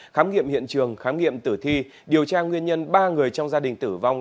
khám nghiệm hiện trường khám nghiệm tử thi điều tra nguyên nhân ba người trong gia đình tử vong